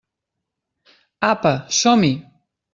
Apa, som-hi!